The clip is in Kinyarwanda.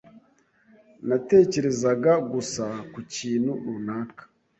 Natekerezaga gusa ku kintu runaka.